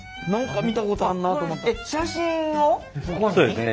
そうですね